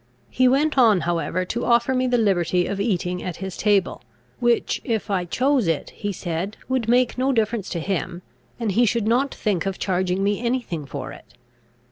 He went on however to offer me the liberty of eating at his table; which, if I chose it, he said, would make no difference to him, and he should not think of charging me any thing for it.